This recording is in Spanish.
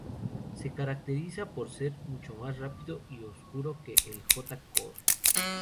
Se caracteriza por ser mucho más rápido y oscuro que el "j-core".